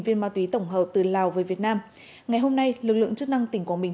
một trăm linh viên ma túy tổng hợp từ lào về việt nam ngày hôm nay lực lượng chức năng tỉnh quảng bình